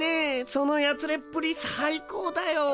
そのやつれっぷり最高だよ。